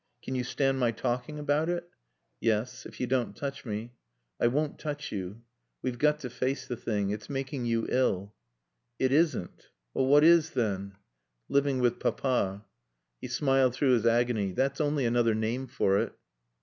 "Can you stand my talking about it?" "Yes. If you don't touch me." "I won't touch you. We've got to face the thing. It's making you ill." "It isn't." "What is, then?" "Living with Papa." He smiled through his agony. "That's only another name for it.